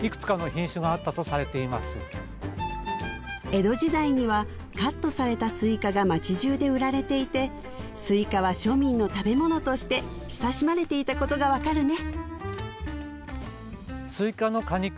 江戸時代にはカットされたスイカが街じゅうで売られていてスイカは庶民の食べ物として親しまれていたことが分かるね